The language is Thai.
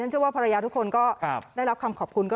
เชื่อว่าภรรยาทุกคนก็ได้รับคำขอบคุณ